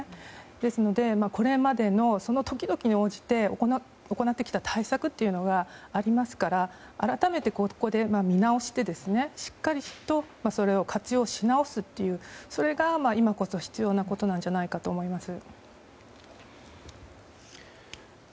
ですので、これまでのその時々に応じて行ってきた対策というのがありますから改めて、ここで見直してしっかりとそれを活用しなおすというそれが今こそ必要なことなんじゃないかと思います。